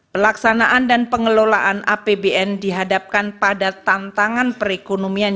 pelaksanaan dan pengelolaan apbn dihadapkan pada tantangan perekonomian